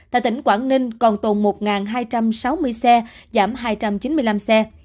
tại tỉnh quảng ninh còn tồn một hai trăm sáu mươi xe giảm hai trăm chín mươi năm xe